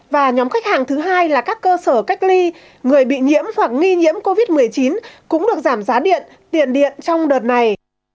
và nhóm khách hàng thứ hai là các cơ sở cách ly người bị nhiễm hoặc nghi nhiễm covid một mươi chín cũng được giảm giá điện tiền điện trong đợt này